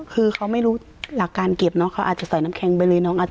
คือเขาไม่รู้หลักการเก็บเนาะเขาอาจจะใส่น้ำแข็งไปเลยน้องอาจจะ